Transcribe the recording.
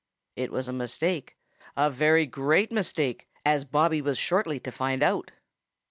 It was a mistake, a very great mistake, as Bobby was shortly to find out.